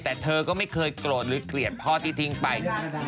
แต่เธอก็ไม่เคยโกรธหรือเกลียดพ่อที่ทิ้งไป